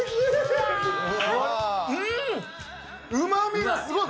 うま味がすごい。